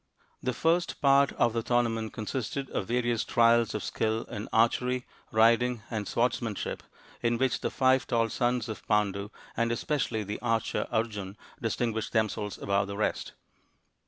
The first part of the tournament consisted of various trials of skill in archery, riding, and swords manship, in which the five taU sons of Pandu, and especially the archer Arjun, distinguished themselves above the rest.